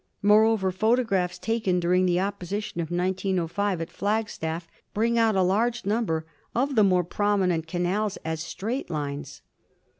Moreover, photographs taken during the opposition of 1905 at Flagstaff bring out a large number of the more prominent canals as straight lines.